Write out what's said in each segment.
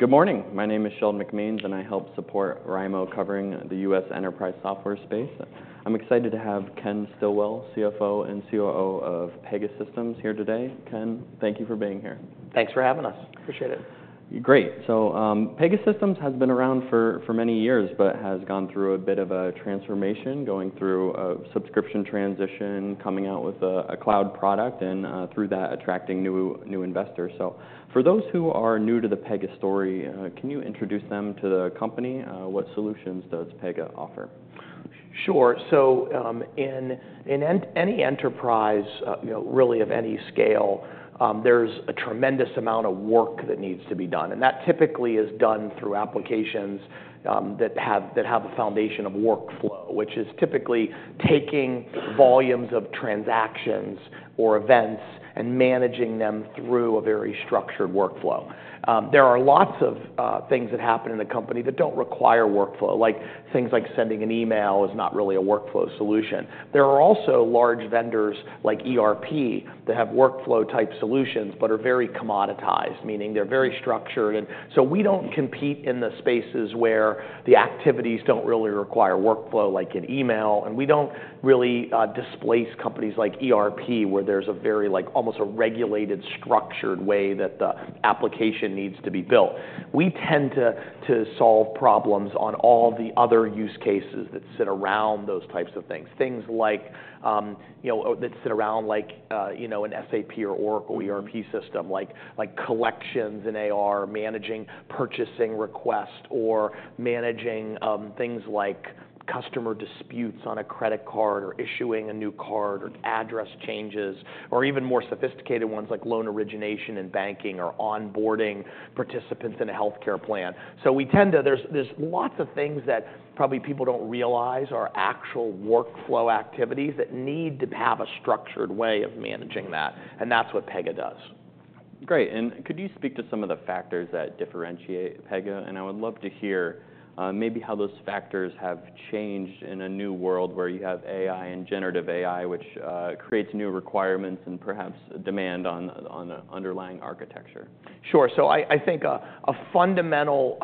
Hey. Good morning. My name is Sheldon McMeans, and I help support RIMO covering the U.S. enterprise software space. I'm excited to have Ken Stillwell, CFO and COO of Pegasystems, here today. Ken, thank you for being here. Thanks for having us. Appreciate it. Great. So Pegasystems has been around for many years, but has gone through a bit of a transformation, going through a subscription transition, coming out with a cloud product, and through that attracting new investors. So for those who are new to the Pega story, can you introduce them to the company? What solutions does Pega offer? Sure. So in any enterprise, really of any scale, there's a tremendous amount of work that needs to be done. And that typically is done through applications that have a foundation of workflow, which is typically taking volumes of transactions or events and managing them through a very structured workflow. There are lots of things that happen in the company that don't require workflow, like things like sending an email is not really a workflow solution. There are also large vendors like ERP that have workflow-type solutions, but are very commoditized, meaning they're very structured. And so we don't compete in the spaces where the activities don't really require workflow, like an email. And we don't really displace companies like ERP, where there's a very almost a regulated, structured way that the application needs to be built. We tend to solve problems on all the other use cases that sit around those types of things, things like that sit around like an SAP or Oracle ERP system, like collections in AR, managing purchasing requests, or managing things like customer disputes on a credit card, or issuing a new card, or address changes, or even more sophisticated ones like loan origination and banking, or onboarding participants in a health care plan so we tend to, there's lots of things that probably people don't realize are actual workflow activities that need to have a structured way of managing that and that's what Pega does. Great. And could you speak to some of the factors that differentiate Pega? And I would love to hear maybe how those factors have changed in a new world where you have AI and generative AI, which creates new requirements and perhaps demand on the underlying architecture? Sure. So I think a fundamental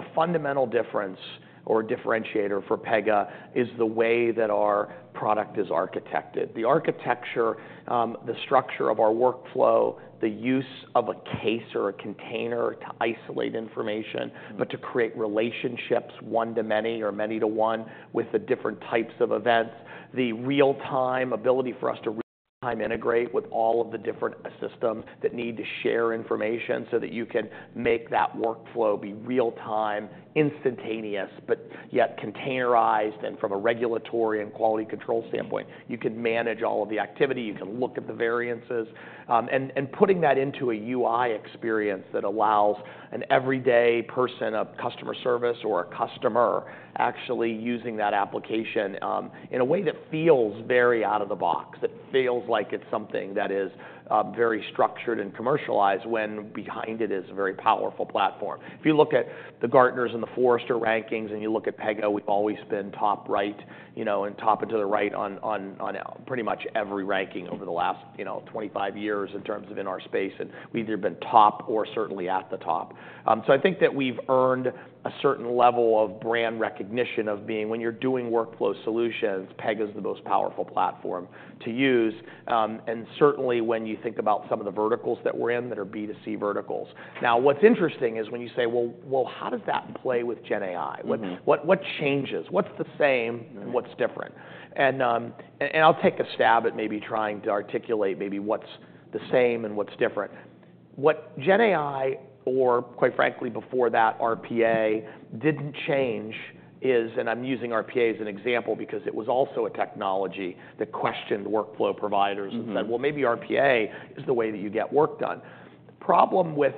difference or differentiator for Pega is the way that our product is architected. The architecture, the structure of our workflow, the use of a case or a container to isolate information, but to create relationships one to many or many to one with the different types of events, the real-time ability for us to real-time integrate with all of the different systems that need to share information so that you can make that workflow be real-time, instantaneous, but yet containerized, and from a regulatory and quality control standpoint, you can manage all of the activity. You can look at the variances. And putting that into a UI experience that allows an everyday person of customer service or a customer actually using that application in a way that feels very out of the box, that feels like it's something that is very structured and commercialized when behind it is a very powerful platform. If you look at the Gartner and the Forrester rankings and you look at Pega, we've always been top right and top and to the right on pretty much every ranking over the last 25 years in terms of in our space. And we've either been top or certainly at the top. So I think that we've earned a certain level of brand recognition of being when you're doing workflow solutions, Pega is the most powerful platform to use. And certainly when you think about some of the verticals that we're in that are B2C verticals. Now, what's interesting is when you say, well, how does that play with GenAI? What changes? What's the same and what's different? And I'll take a stab at maybe trying to articulate maybe what's the same and what's different. What GenAI, or quite frankly before that, RPA didn't change is, and I'm using RPA as an example because it was also a technology that questioned workflow providers and said, well, maybe RPA is the way that you get work done. The problem with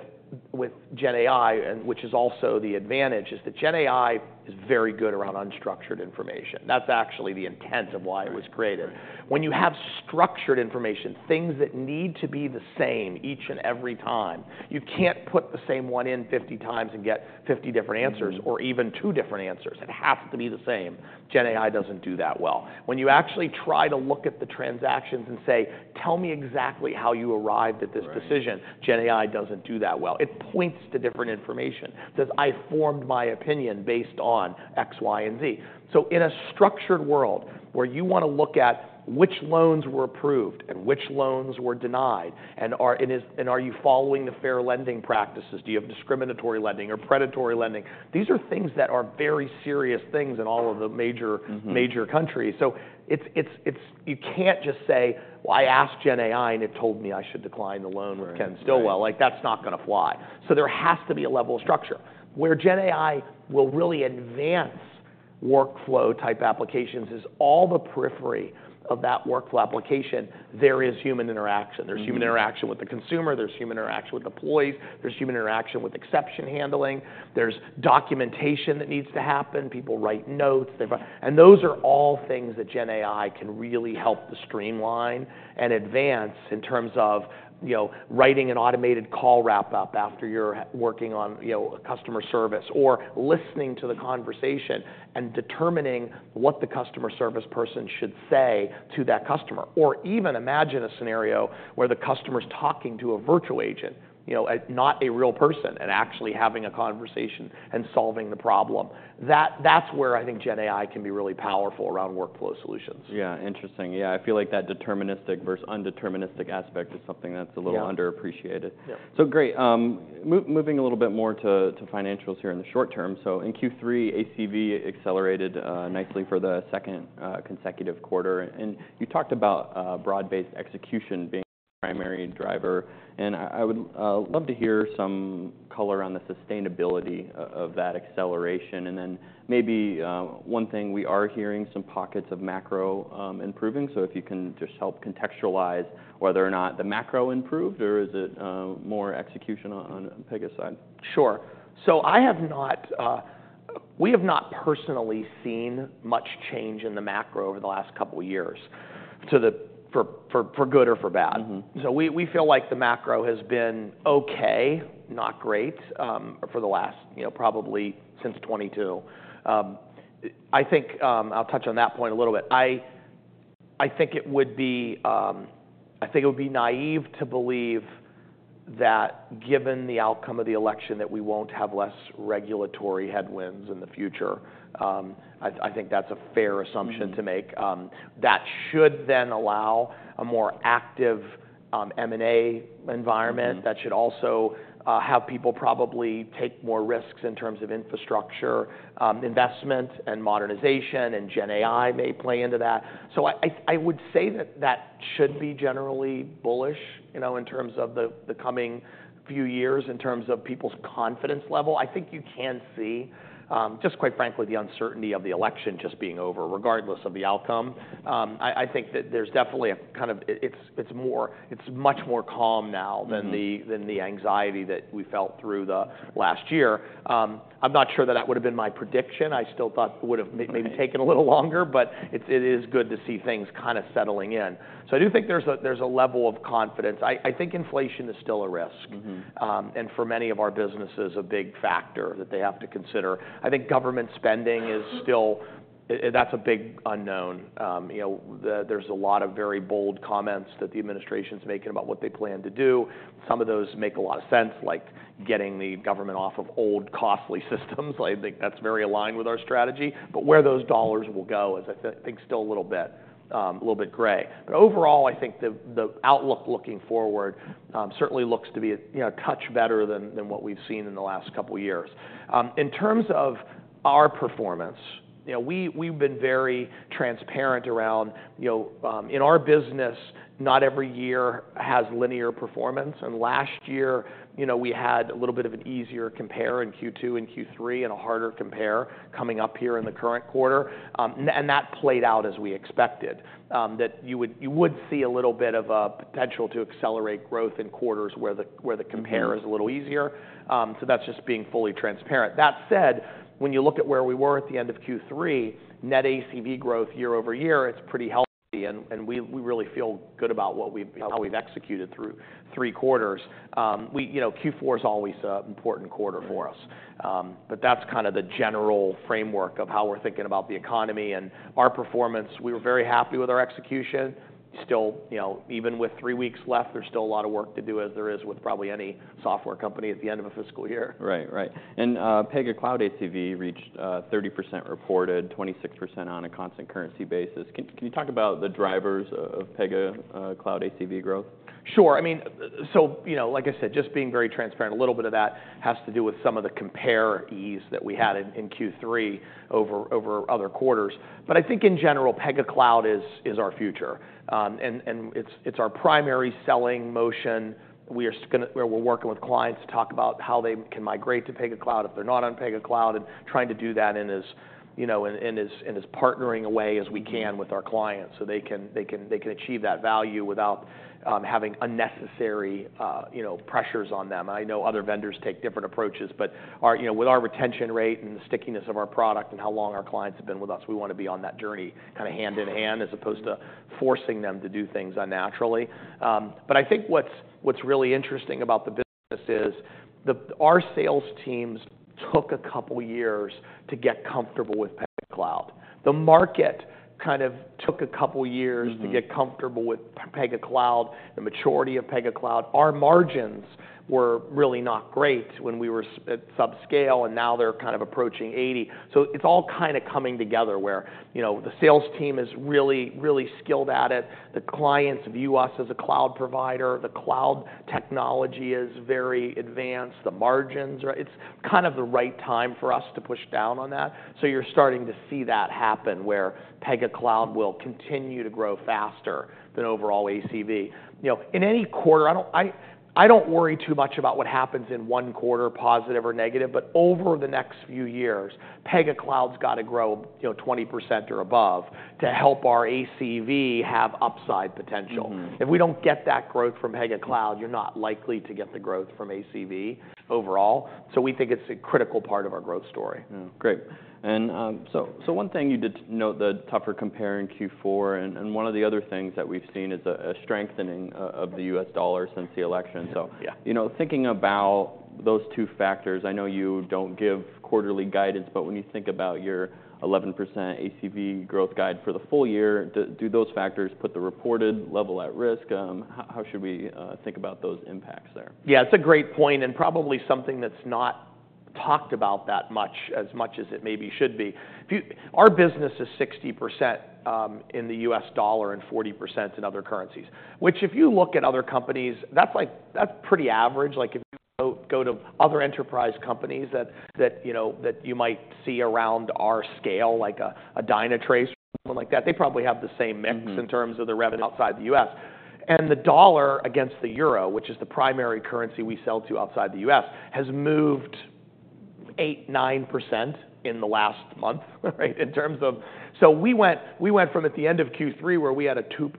GenAI, which is also the advantage, is that GenAI is very good around unstructured information. That's actually the intent of why it was created. When you have structured information, things that need to be the same each and every time, you can't put the same one in 50 times and get 50 different answers or even two different answers. It has to be the same. GenAI doesn't do that well. When you actually try to look at the transactions and say, tell me exactly how you arrived at this decision, GenAI doesn't do that well. It points to different information. It says, "I formed my opinion based on X, Y, and Z." So in a structured world where you want to look at which loans were approved and which loans were denied, and are you following the fair lending practices? Do you have discriminatory lending or predatory lending? These are things that are very serious things in all of the major countries. So you can't just say, "well, I asked GenAI and it told me I should decline the loan from Ken Stillwell." That's not going to fly. So there has to be a level of structure. Where GenAI will really advance workflow-type applications is all the periphery of that workflow application. There is human interaction. There's human interaction with the consumer. There's human interaction with employees. There's human interaction with exception handling. There's documentation that needs to happen. People write notes, and those are all things that GenAI can really help to streamline and advance in terms of writing an automated call wrap-up after you're working on customer service or listening to the conversation and determining what the customer service person should say to that customer. Or even imagine a scenario where the customer's talking to a virtual agent, not a real person, and actually having a conversation and solving the problem. That's where I think GenAI can be really powerful around workflow solutions. Yeah, interesting. Yeah, I feel like that deterministic versus undeterministic aspect is something that's a little underappreciated. So great. Moving a little bit more to financials here in the short term. So in Q3, ACV accelerated nicely for the second consecutive quarter. And you talked about broad-based execution being the primary driver. And I would love to hear some color on the sustainability of that acceleration. And then maybe one thing we are hearing some pockets of macro improving. So if you can just help contextualize whether or not the macro improved, or is it more execution on Pega's side? Sure. So we have not personally seen much change in the macro over the last couple of years, for good or for bad. So we feel like the macro has been OK, not great, for the last probably since 2022. I think I'll touch on that point a little bit. I think it would be naive to believe that given the outcome of the election that we won't have less regulatory headwinds in the future. I think that's a fair assumption to make. That should then allow a more active M&A environment. That should also have people probably take more risks in terms of infrastructure investment and modernization. And GenAI may play into that. So I would say that should be generally bullish in terms of the coming few years, in terms of people's confidence level. I think you can see, just quite frankly, the uncertainty of the election just being over, regardless of the outcome. I think that there's definitely a kind of it's much more calm now than the anxiety that we felt through the last year. I'm not sure that that would have been my prediction. I still thought it would have maybe taken a little longer. But it is good to see things kind of settling in. So I do think there's a level of confidence. I think inflation is still a risk, and for many of our businesses, a big factor that they have to consider. I think government spending is still. That's a big unknown. There's a lot of very bold comments that the administration's making about what they plan to do. Some of those make a lot of sense, like getting the government off of old costly systems. I think that's very aligned with our strategy, but where those dollars will go is, I think, still a little bit gray, but overall, I think the outlook looking forward certainly looks to be a touch better than what we've seen in the last couple of years. In terms of our performance, we've been very transparent around in our business, not every year has linear performance, and last year, we had a little bit of an easier compare in Q2 and Q3 and a harder compare coming up here in the current quarter, and that played out as we expected, that you would see a little bit of a potential to accelerate growth in quarters where the compare is a little easier, so that's just being fully transparent. That said, when you look at where we were at the end of Q3, net ACV growth year over year, it's pretty healthy. And we really feel good about how we've executed through three quarters. Q4 is always an important quarter for us. But that's kind of the general framework of how we're thinking about the economy and our performance. We were very happy with our execution. Still, even with three weeks left, there's still a lot of work to do, as there is with probably any software company at the end of a fiscal year. Right, right. And Pega Cloud ACV reached 30% reported, 26% on a constant currency basis. Can you talk about the drivers of Pega Cloud ACV growth? Sure. I mean, so like I said, just being very transparent, a little bit of that has to do with some of the comparisons that we had in Q3 over other quarters. But I think in general, Pega Cloud is our future. And it's our primary selling motion. We're working with clients to talk about how they can migrate to Pega Cloud if they're not on Pega Cloud and trying to do that in a partnering way as we can with our clients so they can achieve that value without having unnecessary pressures on them. I know other vendors take different approaches. But with our retention rate and the stickiness of our product and how long our clients have been with us, we want to be on that journey kind of hand in hand as opposed to forcing them to do things unnaturally. But I think what's really interesting about the business is our sales teams took a couple of years to get comfortable with Pega Cloud. The market kind of took a couple of years to get comfortable with Pega Cloud, the maturity of Pega Cloud. Our margins were really not great when we were at subscale. And now they're kind of approaching 80%. So it's all kind of coming together where the sales team is really, really skilled at it. The clients view us as a cloud provider. The cloud technology is very advanced. The margins are. It's kind of the right time for us to push down on that. So you're starting to see that happen where Pega Cloud will continue to grow faster than overall ACV. In any quarter, I don't worry too much about what happens in one quarter, positive or negative. But over the next few years, Pega Cloud's got to grow 20% or above to help our ACV have upside potential. If we don't get that growth from Pega Cloud, you're not likely to get the growth from ACV overall. So we think it's a critical part of our growth story. Great. And so one thing you did note, the tougher compare in Q4. And one of the other things that we've seen is a strengthening of the U.S. dollar since the election. So thinking about those two factors, I know you don't give quarterly guidance. But when you think about your 11% ACV growth guide for the full year, do those factors put the reported level at risk? How should we think about those impacts there? Yeah, it's a great point and probably something that's not talked about that much as it maybe should be. Our business is 60% in the U.S. dollar and 40% in other currencies, which if you look at other companies, that's pretty average. If you go to other enterprise companies that you might see around our scale, like a Dynatrace or someone like that, they probably have the same mix in terms of the revenue outside the U.S. And the dollar against the euro, which is the primary currency we sell to outside the U.S., has moved 8%-9% in the last month in terms of, so we went from at the end of Q3 where we had a 2%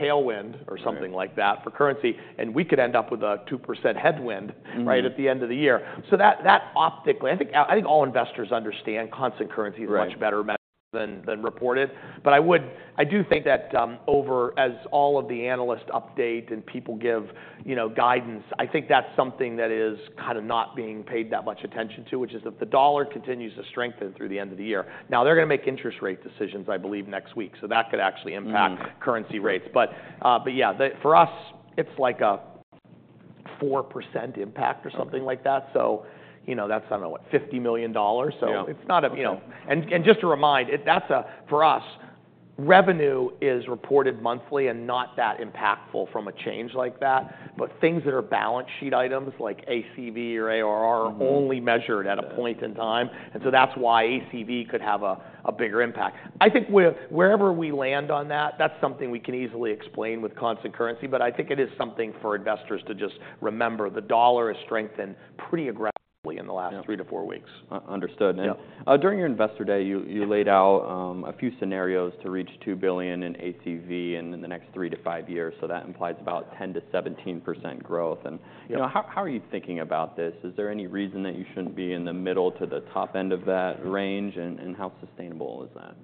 tailwind or something like that for currency, and we could end up with a 2% headwind at the end of the year. That optically, I think all investors understand constant currency is much better than reported. But I do think that over time as all of the analysts update and people give guidance, I think that's something that is kind of not being paid that much attention to, which is that the dollar continues to strengthen through the end of the year. Now, they're going to make interest rate decisions, I believe, next week. So that could actually impact currency rates. But yeah, for us, it's like a 4% impact or something like that. So that's, I don't know, what, $50 million. So it's not a, and just to remind, for us, revenue is reported monthly and not that impactful from a change like that. But things that are balance sheet items like ACV or ARR are only measured at a point in time. And so that's why ACV could have a bigger impact. I think wherever we land on that, that's something we can easily explain with constant currency. But I think it is something for investors to just remember. The dollar has strengthened pretty aggressively in the last three to four weeks. Understood. And during your investor day, you laid out a few scenarios to reach $2 billion in ACV in the next three to five years. So that implies about 10%-17% growth. And how are you thinking about this? Is there any reason that you shouldn't be in the middle to the top end of that range? And how sustainable is that?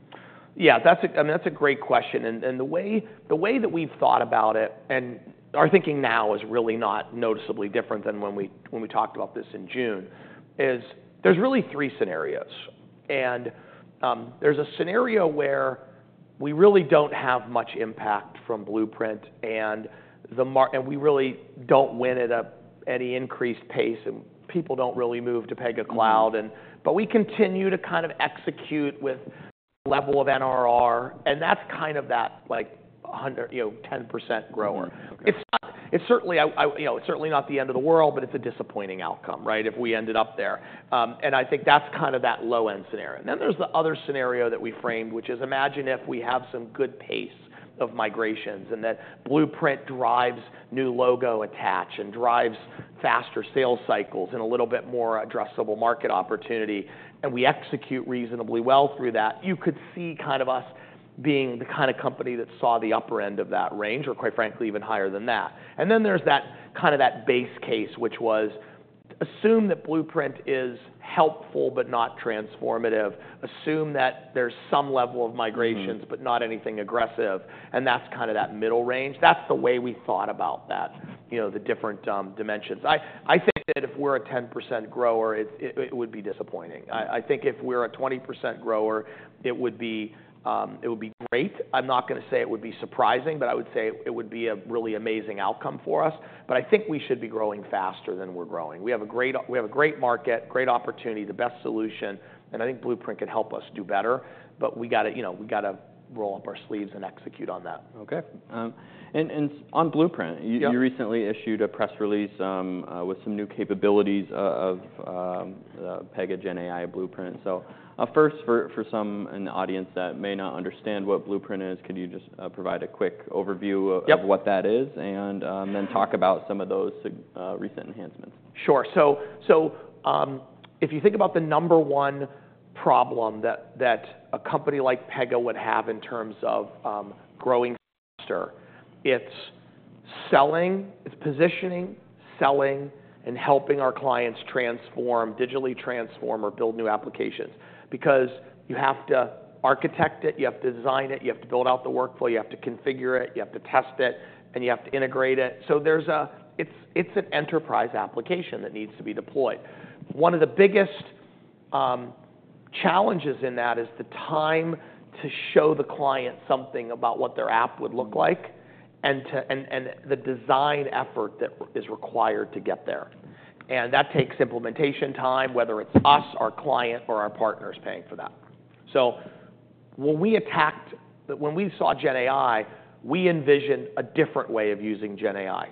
Yeah, I mean, that's a great question. The way that we've thought about it and are thinking now is really not noticeably different than when we talked about this in June. There's really three scenarios. There's a scenario where we really don't have much impact from Blueprint. We really don't win at any increased pace. People don't really move to Pega Cloud. But we continue to kind of execute with a level of NRR. That's kind of that 10% grower. It's certainly not the end of the world. But it's a disappointing outcome if we ended up there. I think that's kind of that low-end scenario. And then there's the other scenario that we framed, which is, imagine if we have some good pace of migrations and that Blueprint drives new logo attach and drives faster sales cycles and a little bit more addressable market opportunity. And we execute reasonably well through that, you could see kind of us being the kind of company that saw the upper end of that range or quite frankly, even higher than that. And then there's kind of that base case, which was, assume that Blueprint is helpful but not transformative. Assume that there's some level of migrations, but not anything aggressive. And that's kind of that middle range. That's the way we thought about the different dimensions. I think that if we're a 10% grower, it would be disappointing. I think if we're a 20% grower, it would be great. I'm not going to say it would be surprising. But I would say it would be a really amazing outcome for us. But I think we should be growing faster than we're growing. We have a great market, great opportunity, the best solution. And I think Blueprint could help us do better. But we've got to roll up our sleeves and execute on that. OK. And on Blueprint, you recently issued a press release with some new capabilities of Pega GenAI Blueprint. So first, for some in the audience that may not understand what Blueprint is, could you just provide a quick overview of what that is and then talk about some of those recent enhancements? Sure. So if you think about the number one problem that a company like Pega would have in terms of growing faster, it's selling, it's positioning, selling, and helping our clients digitally transform or build new applications. Because you have to architect it. You have to design it. You have to build out the workflow. You have to configure it. You have to test it. And you have to integrate it. So it's an enterprise application that needs to be deployed. One of the biggest challenges in that is the time to show the client something about what their app would look like and the design effort that is required to get there. And that takes implementation time, whether it's us, our client, or our partners paying for that. So when we acted when we saw GenAI, we envisioned a different way of using GenAI,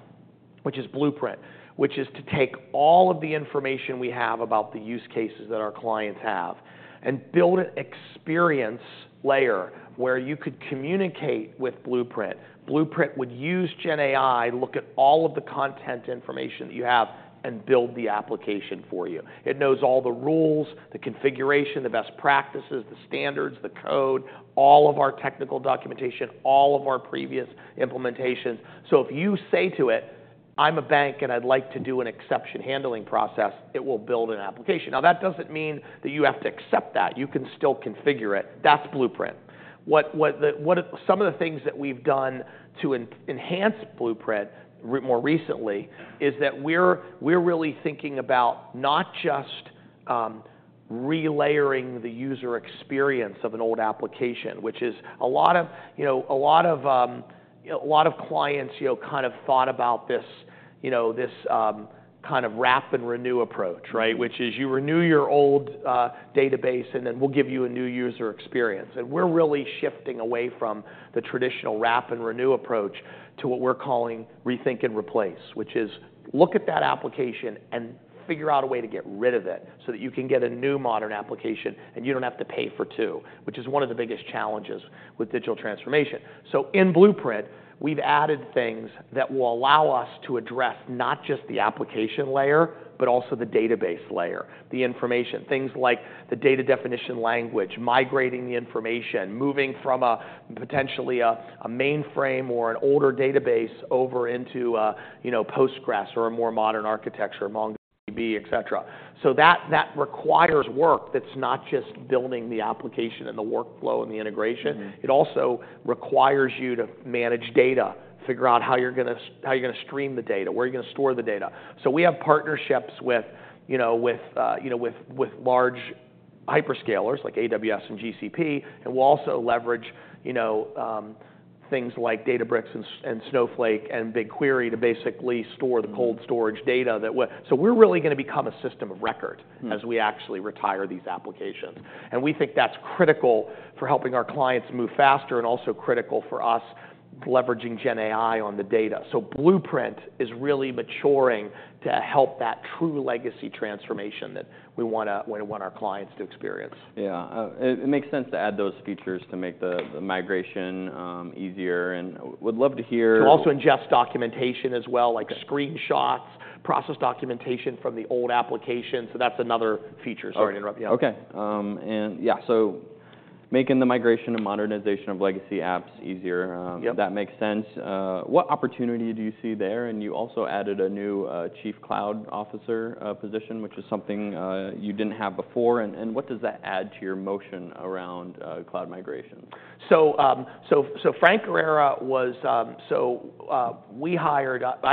which is Blueprint, which is to take all of the information we have about the use cases that our clients have and build an experience layer where you could communicate with Blueprint. Blueprint would use GenAI to look at all of the content information that you have and build the application for you. It knows all the rules, the configuration, the best practices, the standards, the code, all of our technical documentation, all of our previous implementations. So if you say to it, I'm a bank and I'd like to do an exception handling process, it will build an application. Now, that doesn't mean that you have to accept that. You can still configure it. That's Blueprint. Some of the things that we've done to enhance Blueprint more recently is that we're really thinking about not just relayering the user experience of an old application, which is a lot of clients kind of thought about this kind of wrap and renew approach, which is you renew your old database and then we'll give you a new user experience, and we're really shifting away from the traditional wrap and renew approach to what we're calling rethink and replace, which is look at that application and figure out a way to get rid of it so that you can get a new modern application and you don't have to pay for two, which is one of the biggest challenges with digital transformation. So in Blueprint, we've added things that will allow us to address not just the application layer, but also the database layer, the information, things like the data definition language, migrating the information, moving from potentially a mainframe or an older database over into PostgreSQL or a more modern architecture MongoDB et cetera. So that requires work that's not just building the application and the workflow and the integration. It also requires you to manage data, figure out how you're going to stream the data, where you're going to store the data. So we have partnerships with large hyperscalers like AWS and GCP. And we'll also leverage things like Databricks and Snowflake and BigQuery to basically store the cold storage data. So we're really going to become a system of record as we actually retire these applications. We think that's critical for helping our clients move faster and also critical for us leveraging GenAI on the data. Blueprint is really maturing to help that true legacy transformation that we want our clients to experience. Yeah. It makes sense to add those features to make the migration easier. And would love to hear. To also ingest documentation as well, like screenshots, process documentation from the old application. So that's another feature. Sorry to interrupt. OK. And yeah, so making the migration and modernization of legacy apps easier, that makes sense. What opportunity do you see there, and you also added a new Chief Cloud Officer position, which is something you didn't have before, and what does that add to your motion around cloud migration? So, I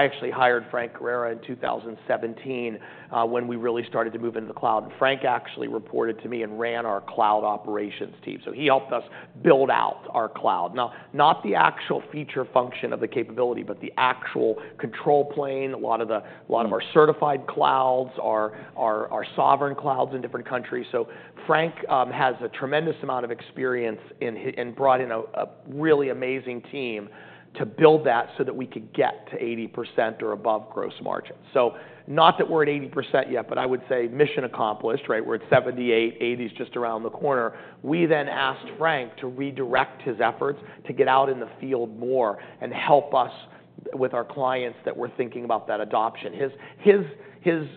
actually hired Frank Guerrera in 2017 when we really started to move into the cloud. And Frank actually reported to me and ran our cloud operations team. So he helped us build out our cloud. Now, not the actual feature function of the capability, but the actual control plane, a lot of our certified clouds, our sovereign clouds in different countries. So Frank has a tremendous amount of experience and brought in a really amazing team to build that so that we could get to 80% or above gross margin. So not that we're at 80% yet, but I would say mission accomplished. We're at 78%. 80% is just around the corner. We then asked Frank to redirect his efforts to get out in the field more and help us with our clients that were thinking about that adoption. His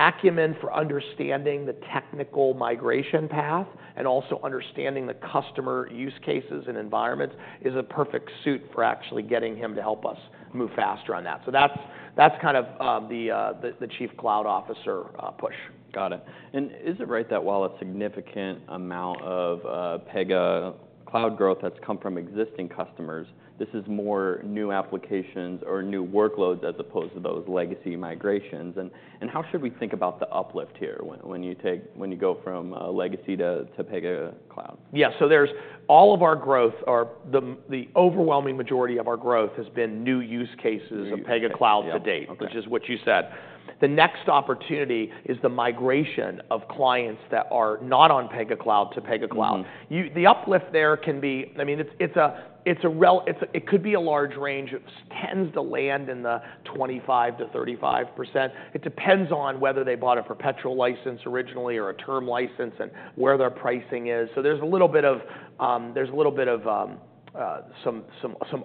acumen for understanding the technical migration path and also understanding the customer use cases and environments is a perfect suit for actually getting him to help us move faster on that. So that's kind of the Chief Cloud Officer push. Got it. And is it right that while a significant amount of Pega Cloud growth has come from existing customers, this is more new applications or new workloads as opposed to those legacy migrations? And how should we think about the uplift here when you go from legacy to Pega Cloud? Yeah. So all of our growth, the overwhelming majority of our growth, has been new use cases of Pega Cloud to date, which is what you said. The next opportunity is the migration of clients that are not on Pega Cloud to Pega Cloud. The uplift there can be I mean, it could be a large range. It tends to land in the 25%-35%. It depends on whether they bought a perpetual license originally or a term license and where their pricing is. So there's a little bit of some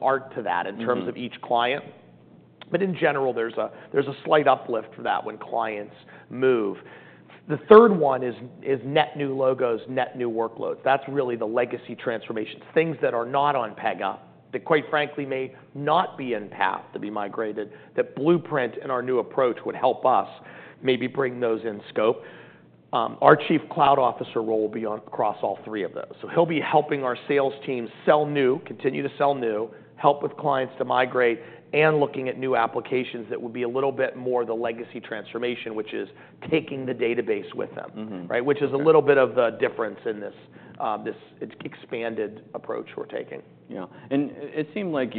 arc to that in terms of each client. But in general, there's a slight uplift for that when clients move. The third one is net new logos, net new workloads. That's really the legacy transformations, things that are not on Pega that quite frankly may not be in path to be migrated, that Blueprint and our new approach would help us maybe bring those in scope. Our Chief Cloud Officer role will be across all three of those. So he'll be helping our sales teams sell new, continue to sell new, help with clients to migrate, and looking at new applications that would be a little bit more the legacy transformation, which is taking the database with them, which is a little bit of the difference in this expanded approach we're taking. Yeah, and it seemed like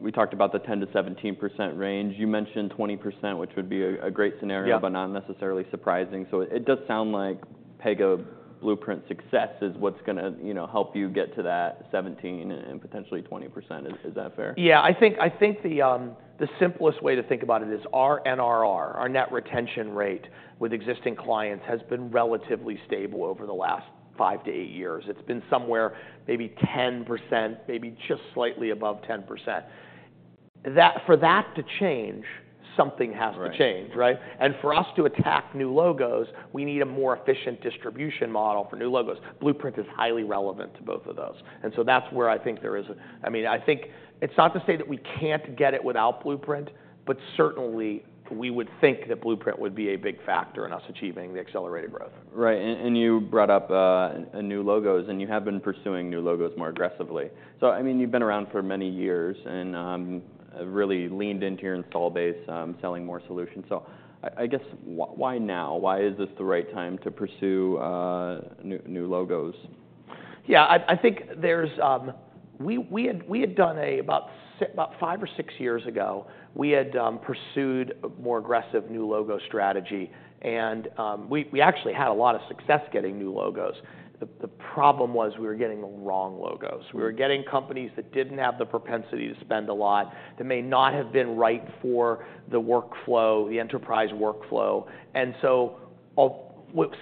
we talked about the 10%-17% range. You mentioned 20%, which would be a great scenario but not necessarily surprising, so it does sound like Pega Blueprint success is what's going to help you get to that 17% and potentially 20%. Is that fair? Yeah. I think the simplest way to think about it is our NRR, our net retention rate with existing clients, has been relatively stable over the last five to eight years. It's been somewhere maybe 10%, maybe just slightly above 10%. For that to change, something has to change. And for us to attack new logos, we need a more efficient distribution model for new logos. Blueprint is highly relevant to both of those. And so that's where I think there is, I mean, I think it's not to say that we can't get it without Blueprint, but certainly we would think that Blueprint would be a big factor in us achieving the accelerated growth. Right. And you brought up new logos. And you have been pursuing new logos more aggressively. So I mean, you've been around for many years and really leaned into your install base, selling more solutions. So I guess why now? Why is this the right time to pursue new logos? Yeah. I think we had done about five or six years ago, we had pursued a more aggressive new logo strategy. And we actually had a lot of success getting new logos. The problem was we were getting the wrong logos. We were getting companies that didn't have the propensity to spend a lot, that may not have been right for the workflow, the enterprise workflow. And so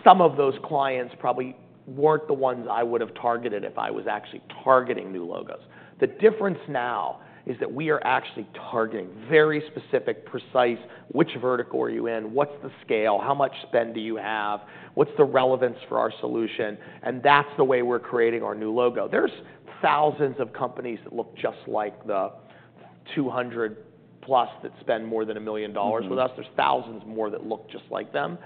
some of those clients probably weren't the ones I would have targeted if I was actually targeting new logos. The difference now is that we are actually targeting very specific, precise, which vertical are you in, what's the scale, how much spend do you have, what's the relevance for our solution. And that's the way we're creating our new logo. There's thousands of companies that look just like the 200-plus that spend more than $1 million with us. There's thousands more that look just like them,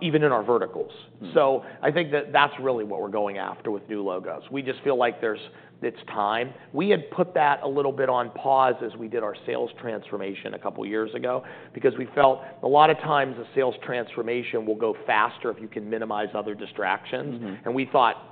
even in our verticals. So I think that that's really what we're going after with new logos. We just feel like it's time. We had put that a little bit on pause as we did our sales transformation a couple of years ago because we felt a lot of times a sales transformation will go faster if you can minimize other distractions. And we thought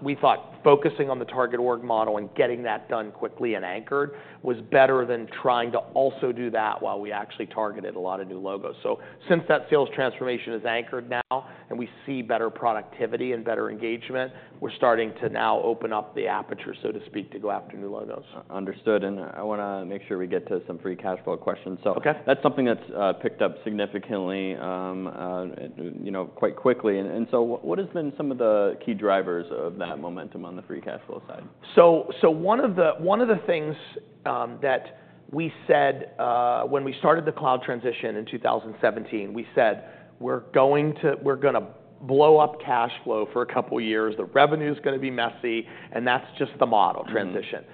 focusing on the target org model and getting that done quickly and anchored was better than trying to also do that while we actually targeted a lot of new logos. So since that sales transformation is anchored now and we see better productivity and better engagement, we're starting to now open up the aperture, so to speak, to go after new logos. Understood. And I want to make sure we get to some free cash flow questions. So that's something that's picked up significantly quite quickly. And so what has been some of the key drivers of that momentum on the free cash flow side? One of the things that we said when we started the cloud transition in 2017, we said we're going to blow up cash flow for a couple of years. The revenue is going to be messy. And that's just the model, transition.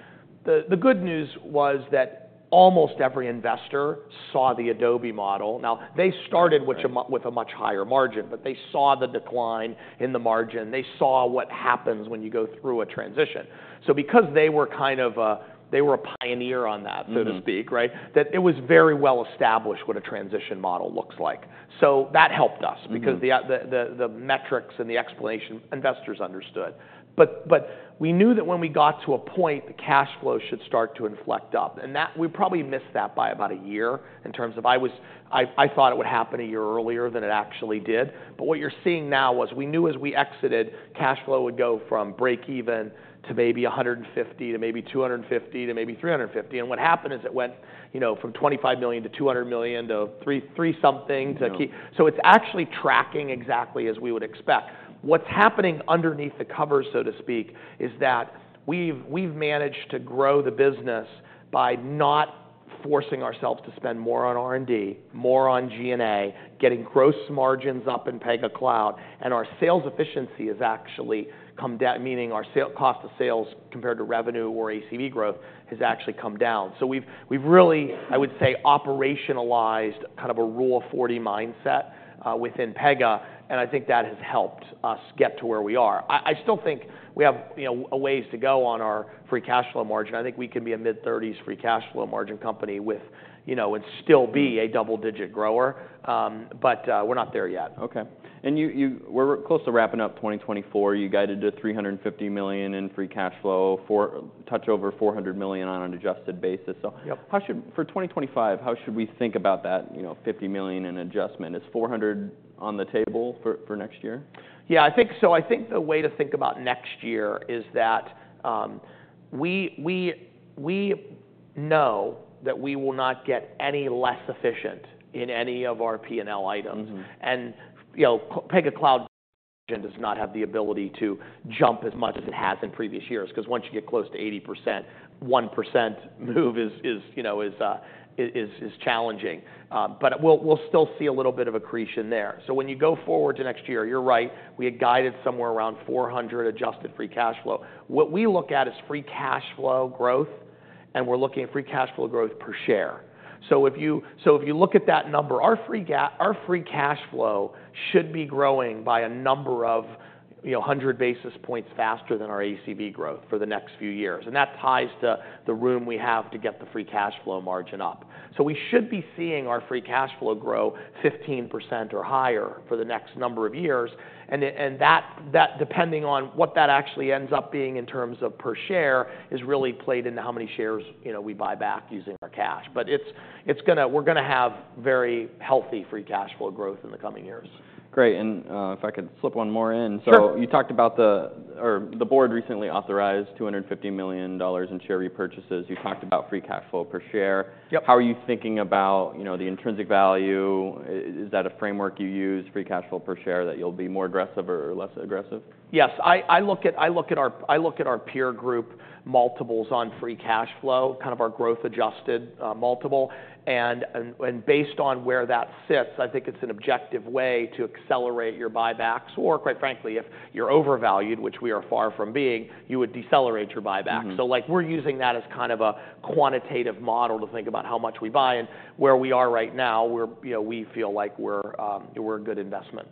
The good news was that almost every investor saw the Adobe model. Now, they started with a much higher margin, but they saw the decline in the margin. They saw what happens when you go through a transition. So because they were kind of a pioneer on that, so to speak, that it was very well established what a transition model looks like. So that helped us because the metrics and the explanation investors understood. But we knew that when we got to a point, the cash flow should start to inflect up. And we probably missed that by about a year in terms of I thought it would happen a year earlier than it actually did. But what you're seeing now was we knew as we exited, cash flow would go from break even to maybe 150 to maybe 250 to maybe 350. And what happened is it went from $25 million to $200 million to three something to so it's actually tracking exactly as we would expect. What's happening underneath the covers, so to speak, is that we've managed to grow the business by not forcing ourselves to spend more on R&D, more on G&A, getting gross margins up in Pega Cloud. And our sales efficiency has actually come down, meaning our cost of sales compared to revenue or ACV growth has actually come down. So we've really, I would say, operationalized kind of a Rule of 40 mindset within Pega. I think that has helped us get to where we are. I still think we have a ways to go on our free cash flow margin. I think we can be a mid-30s free cash flow margin company and still be a double-digit grower. We're not there yet. OK, and we're close to wrapping up 2024. You guided to $350 million in free cash flow, touching over $400 million on an adjusted basis. So for 2025, how should we think about that $50 million in adjustment? Is $400 million on the table for next year? Yeah, so I think the way to think about next year is that we know that we will not get any less efficient in any of our P&L items, and Pega Cloud does not have the ability to jump as much as it has in previous years because once you get close to 80%, 1% move is challenging, but we'll still see a little bit of accretion there, so when you go forward to next year, you're right, we had guided somewhere around $400 adjusted free cash flow. What we look at is free cash flow growth, and we're looking at free cash flow growth per share, so if you look at that number, our free cash flow should be growing by a number of 100 basis points faster than our ACV growth for the next few years. And that ties to the room we have to get the free cash flow margin up. So we should be seeing our free cash flow grow 15% or higher for the next number of years. And that, depending on what that actually ends up being in terms of per share, is really played into how many shares we buy back using our cash. But we're going to have very healthy free cash flow growth in the coming years. Great. And if I could slip one more in. So you talked about the board recently authorized $250 million in share repurchases. You talked about free cash flow per share. How are you thinking about the intrinsic value? Is that a framework you use, free cash flow per share, that you'll be more aggressive or less aggressive? Yes. I look at our peer group multiples on free cash flow, kind of our growth-adjusted multiple, and based on where that sits, I think it's an objective way to accelerate your buybacks, or quite frankly, if you're overvalued, which we are far from being, you would decelerate your buyback, so we're using that as kind of a quantitative model to think about how much we buy, and where we are right now, we feel like we're a good investment.